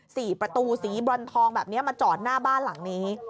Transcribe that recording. สี่ประตูสีบรอนทองแบบนี้มาจอดหน้าบ้านหลังนี้